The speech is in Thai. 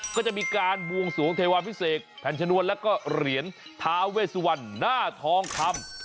ก็จะมีการบวงสวงเทวาพิเศษแผ่นชนวนแล้วก็เหรียญทาเวสวันหน้าทองคำ